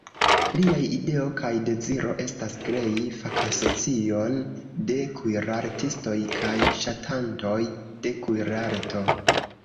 Liaj ideo kaj deziro estas krei fakasocion de kuirartistoj kaj ŝatantoj de kuirarto.